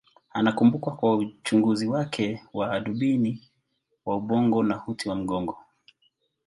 Anakumbukwa kwa uchunguzi wake wa hadubini wa ubongo na uti wa mgongo.